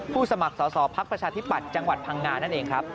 สมัครสอบภักดิ์ประชาธิปัตย์จังหวัดพังงานั่นเองครับ